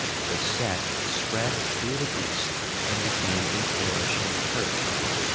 His sect spread through the East, and became a flourishing church.